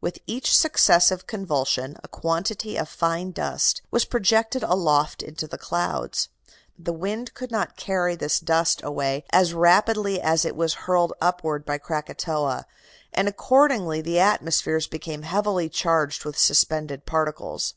With each successive convulsion a quantity of fine dust was projected aloft into the clouds. The wind could not carry this dust away as rapidly as it was hurled upward by Krakatoa, and accordingly the atmosphere became heavily charged with suspended particles.